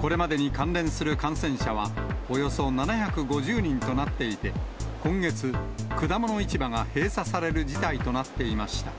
これまでに関連する感染者は、およそ７５０人となっていて、今月、果物市場が閉鎖される事態となっていました。